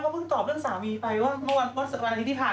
วันที่ผ่านมาได้ยังไง